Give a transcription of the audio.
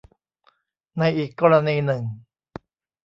ในอีกกรณีหนึ่ง